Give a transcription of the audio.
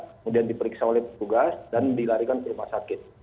kemudian diperiksa oleh petugas dan dilarikan ke rumah sakit